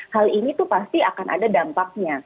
hal ini tuh pasti akan ada dampaknya